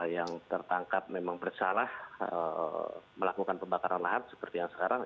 yang tertangkap memang bersalah melakukan pembakaran lahan seperti yang sekarang